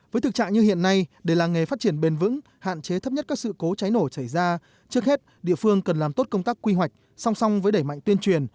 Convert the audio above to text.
với thực trạng như hiện nay để làng nghề phát triển bền vững hạn chế thấp nhất các sự cố cháy nổ xảy ra trước hết địa phương cần làm tốt công tác quy hoạch song song với đẩy mạnh tuyên truyền